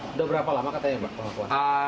sudah berapa lama katanya pak